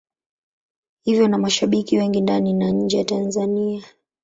Hivyo ana mashabiki wengi ndani na nje ya Tanzania.